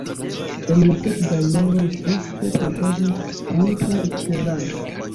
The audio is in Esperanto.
En la sekvaj jaroj ŝi ofte kantadis ankaŭ eksterlande.